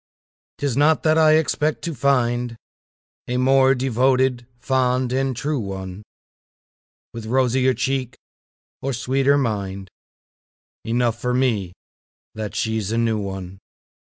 'Tis not that I expect to find A more devoted, fond and true one, With rosier cheek or sweeter mind Enough for me that she's a new one.